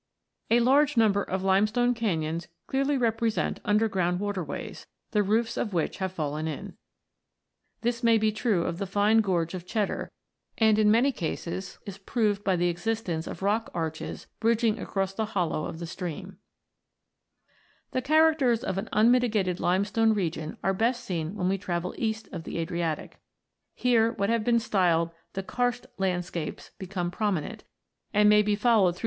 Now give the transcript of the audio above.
A large number of limestone canons clearly represent under ground waterways, the roofs of which have fallen in. This may be true of the fine gorge of Cheddar, and in many cases is proved by the existence of rock arches bridging across the hollow of the stream. II] THE LIMESTONES 49 The characters of an unmitigated limestone region are best seen when we travel east of the Adriatic. ITig. 3. WATERWORN CLIFF OF LIMESTONE. Bavine of Millersdale, Derbyshire. Here what have been styled the karst landscapes become prominent, and may be followed through the c.